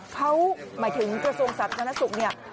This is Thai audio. เขาหมายถึงกระทรวงศึกษาธนสุข